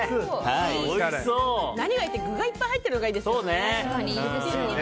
何がいいって具がいっぱい入ってるのがいいですよね。